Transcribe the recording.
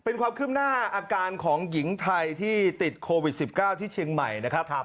เป็นความขึ้นหน้าอาการของหญิงไทยที่ติดโควิด๑๙ที่เชียงใหม่นะครับ